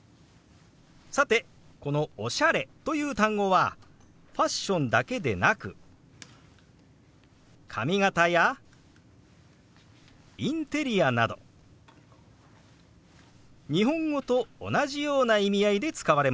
さてこの「おしゃれ」という単語はファッションだけでなく髪形やインテリアなど日本語と同じような意味合いで使われますよ。